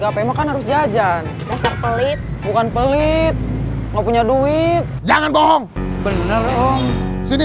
kpm kan harus jajan dasar pelit bukan pelit mau punya duit jangan bohong bener om sini